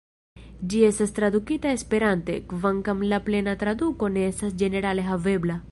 Ĝi estas tradukita Esperante, kvankam la plena traduko ne estas ĝenerale havebla.